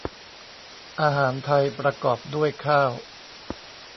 อาหารไทยประกอบด้วยข้าว